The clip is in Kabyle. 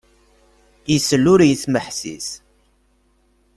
Isell ur yesmeḥsis!